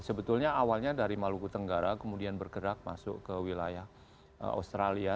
sebetulnya awalnya dari maluku tenggara kemudian bergerak masuk ke wilayah australia